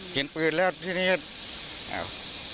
เห็นพื้นแล้วที่นี้อ้าว